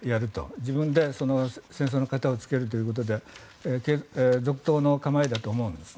自分で戦争の片をつけるということで続投の構えだと思います。